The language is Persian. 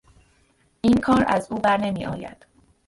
این کار از او بر نمیآید.